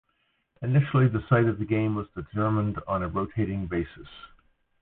Initially, the site of the game was determined on a rotating basis.